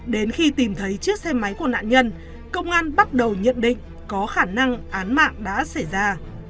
đến khi tìm thấy chiếc xe máy của nạn nhân công an bắt đầu nhận định có khả năng án mạng đã xảy ra